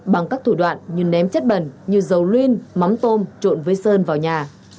bằng các thủ đoạn như ném chất bẩn như dầu luyên mắm tôm trộn với sơn vào nhà